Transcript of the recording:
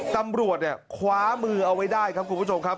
ตำรวจเนี่ยคว้ามือเอาไว้ได้ครับคุณผู้ชมครับ